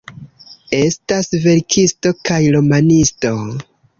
Estas verkisto kaj romanisto.